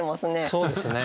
そうですね。